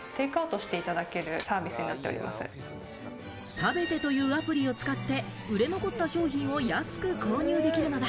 「ＴＡＢＥＴＥ」というアプリを使って、売れ残った商品を安く購入できるのだ。